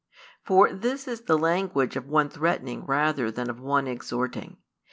For this is the language of one threatening rather than of one exhorting.